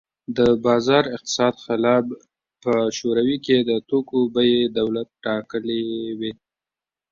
د بازار اقتصاد خلاف په شوروي کې د توکو بیې دولت ټاکلې وې